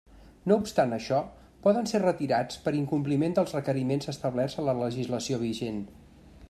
No obstant això, poden ser retirats per incompliment dels requeriments establerts a la legislació vigent.